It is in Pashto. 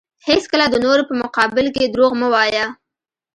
هیڅکله د نورو په مقابل کې دروغ مه وایه.